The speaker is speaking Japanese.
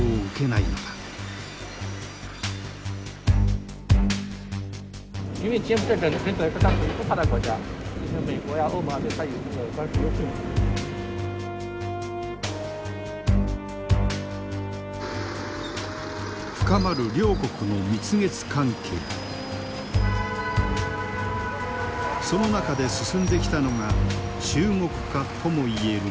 その中で進んできたのが中国化ともいえる現象だ。